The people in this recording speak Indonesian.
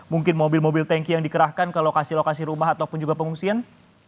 mungkin mobil mobil tanki yang dikerahkan ke lokasi lokasi rumah ataupun juga pengungsian